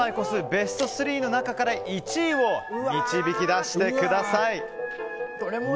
ベスト３の中から１位を導き出してください。